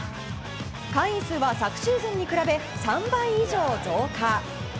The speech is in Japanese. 会員数は昨シーズンに比べ３倍以上増加。